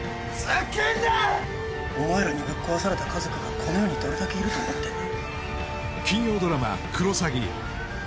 お前らにぶっ壊された家族がこの世にどれだけいると思ってんだ